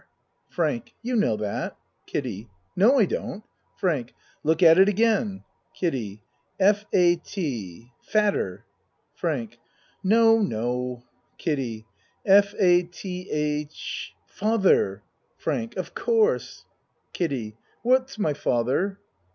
FRANK You know that. KIDDIE No, I don't. FRANK Look at it again. KIDDIE F a t fatter. FRANK No no. KIDDIE F a t h father. FRANK Of course. KIDDIE What's my father?